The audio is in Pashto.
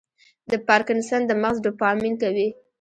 د پارکنسن د مغز ډوپامین کموي.